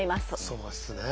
そうですね。